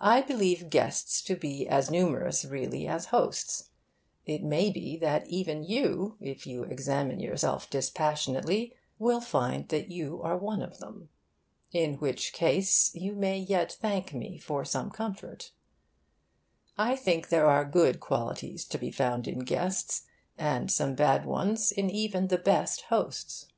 I believe guests to be as numerous, really, as hosts. It may be that even you, if you examine yourself dispassionately, will find that you are one of them. In which case, you may yet thank me for some comfort. I think there are good qualities to be found in guests, and some bad ones in even the best hosts.